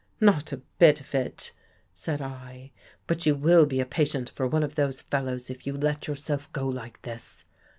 " Not a bit of it," said I. " But you will be a patient for one of those fellows if you let yourself go like this.